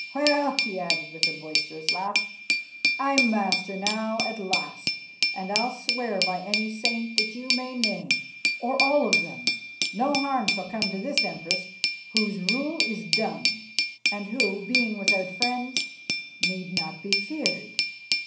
Well," he added with a boisterous laugh, "I'm master now at last, and I'll swear by any saint that you may name, or all of them, no harm shall come to this Empress whose rule is done, and who, being without friends, need not be feared.